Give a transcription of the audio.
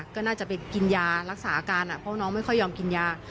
ก็น่าจะไปกินยารักษาอาการเพราะว่าน้องไม่ค่อยยอมกินยา